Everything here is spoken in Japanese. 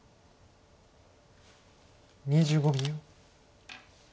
２５秒。